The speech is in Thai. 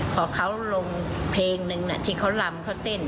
พอเขาลงเพลงนึงที่เขาลำเขาเต้น